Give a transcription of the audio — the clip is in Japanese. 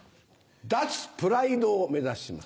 脱プライドを目指します。